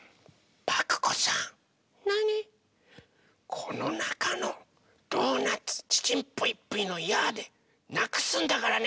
このなかのドーナツ「ちちんぷいぷいのやあ！」でなくすんだからね！